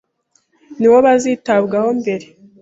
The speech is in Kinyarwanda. ni bo bazitabwaho mbere